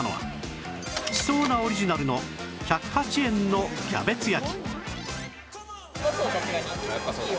馳走菜オリジナルの１０８円のキャベツ焼